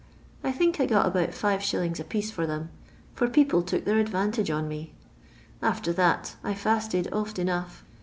I think I got about 5t. apiece for them, for people took their advantage on me. After that I fiisted oft enough.